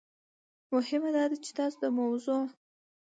مهم داده چې تاسو د موضوع